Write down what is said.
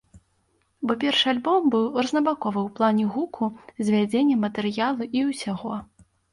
Бо першы альбом быў рознабаковы ў плане гуку, звядзення, матэрыялу і ўсяго.